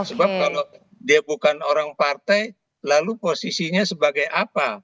sebab kalau dia bukan orang partai lalu posisinya sebagai apa